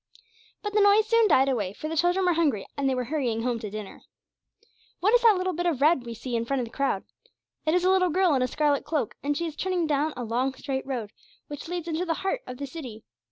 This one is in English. But the noise soon died away, for the children were hungry, and they were hurrying home to dinner. What is that little bit of red that we see in front of the crowd? It is a little girl in a scarlet cloak, and she is turning down a long straight road which leads into the heart of the city.